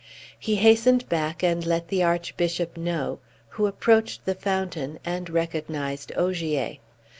He hastened back, and let the Archbishop know, who approached the fountain, and recognized Ogier.